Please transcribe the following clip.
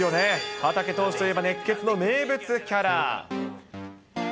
畠投手といえば、熱ケツの名物キャラ。